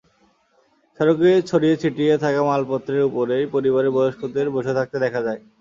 সড়কে ছড়িয়ে-ছিটিয়ে থাকা মালপত্রের ওপরেই পরিবারের বয়স্কদের বসে থাকতে দেখা যায়।